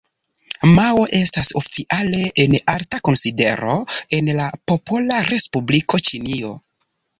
Mao estas oficiale en alta konsidero en la Popola Respubliko Ĉinio.